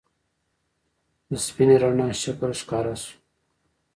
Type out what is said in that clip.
د سپینې رڼا شکل ښکاره شو.